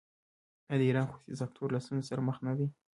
آیا د ایران خصوصي سکتور له ستونزو سره مخ نه دی؟